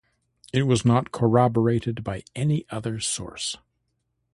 It was not corroborated by any other source.